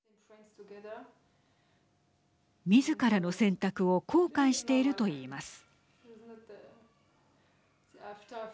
みずからの選択を後悔しているといいます。